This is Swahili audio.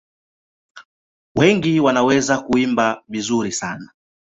Wengi wanaweza kuimba vizuri sana.